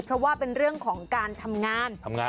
เพราะว่าเป็นเรื่องของการทำงาน